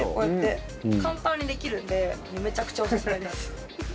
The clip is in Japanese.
簡単にできるのでめちゃくちゃオススメです。